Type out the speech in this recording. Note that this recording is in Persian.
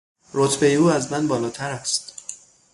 رتبهی او از من بالاتر است.